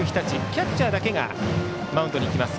キャッチャーだけがマウンドに来ます。